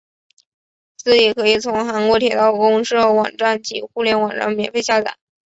字体可以从韩国铁道公社网站及互联网上免费下载。